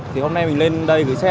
thì hôm nay mình lên đây gửi xe